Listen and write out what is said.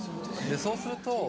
そうすると。